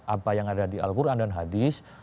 apa yang ada di al quran dan hadis